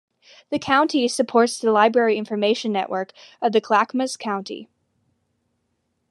The county supports the Library Information Network of Clackamas County.